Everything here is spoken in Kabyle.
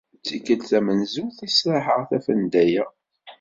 D tikelt tamenzut i sraḥeɣ tafenda-ya.